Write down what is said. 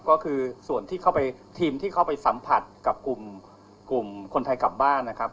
ก็คือส่วนที่เข้าไปทีมที่เข้าไปสัมผัสกับกลุ่มคนไทยกลับบ้านนะครับ